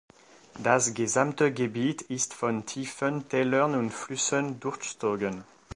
Das gesamte Gebiet ist von tiefen Tälern und Flüssen durchzogen.